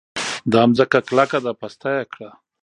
دا ځمکه کلکه ده؛ پسته يې کړه.